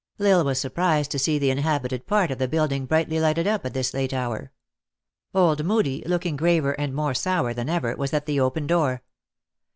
L Isle was surprised to see the inhabited part of the building brightly lighted up at this late hour. Old Moodie, looking graver and more sour than ever, was at the open door.